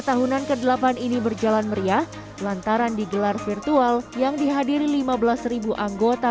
tahunan ke delapan ini berjalan meriah lantaran digelar virtual yang dihadiri lima belas anggota